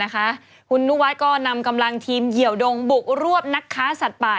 คุณนุวัฒน์ก็นำกำลังทีมเหยียวดงบุกรวบนักค้าสัตว์ป่า